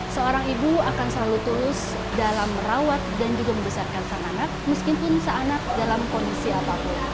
seorang ibu akan selalu tulus dalam merawat dan juga membesarkan sang anak meskipun seanak dalam kondisi apapun